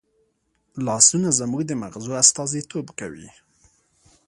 لاسونه زموږ د مغزو استازیتوب کوي